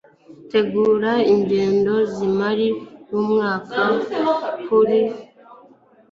gutegura ingengo y'imari y'umwaka ukurikira